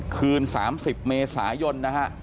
คืน๓๐เมษายน